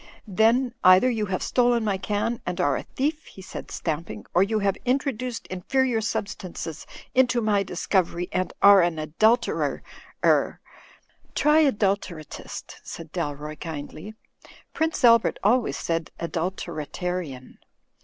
"Then, either you have stolen my can and are a thief," he said, stamping, "or you have introduced inferior substances into my discovery and are an adulterer— er —" "Try adulteratist," said Dalroy, kindly. "Prince Albert always said 'adulteratarian.'